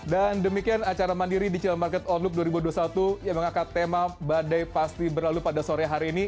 dan demikian acara mandiri digital market online dua ribu dua puluh satu yang mengangkat tema badai pasti berlalu pada sore hari ini